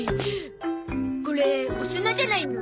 これお砂じゃないの？